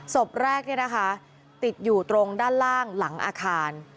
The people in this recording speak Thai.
ศพแรกเนี่ยนะคะติดอยู่ตรงด้านล่างหลังอาคาร